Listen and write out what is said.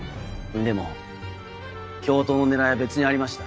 でも教頭の狙いは別にありました。